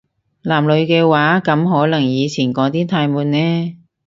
男女嘅話，噉可能以前嗰啲太悶呢